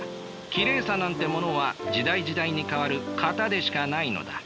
きれいさなんてものは時代時代に変わる型でしかないのだ。